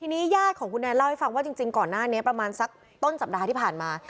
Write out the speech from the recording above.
ทีนี้ญาติของคุณแนนเล่าให้ฟังว่าจริงก่อนหน้านี้ประมาณสักต้นสัปดาห์ที่ผ่านมา